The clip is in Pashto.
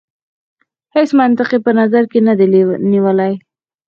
هیڅ منطق یې په نظر کې نه دی نیولی.